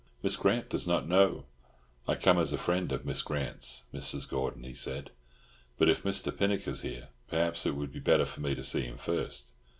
Miss Grant does not know—" "I am come as a friend of Miss Grant's, Mrs. Gordon," he said. "But, if Mr. Pinnock is here, perhaps it would be better for me to see him first.